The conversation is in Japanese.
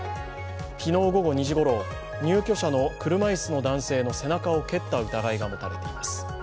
昨日午後２時ごろ入居者の車椅子の男性の背中を蹴った疑いがもたれています。